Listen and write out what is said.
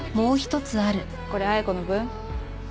これ彩子の分？